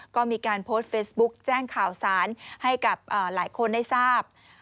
ก็มีการโพสต์เฟซบุ๊กแจ้งข่าวสารให้กับหลายคนได้ทราบ